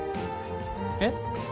えっ？